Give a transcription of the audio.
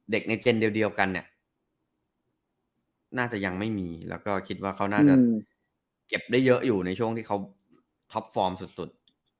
ในเกณฑ์เดียวกันเนี่ยน่าจะยังไม่มีแล้วก็คิดว่าเขาน่าจะเก็บได้เยอะอยู่ในช่วงที่เขาท็อปฟอร์มสุด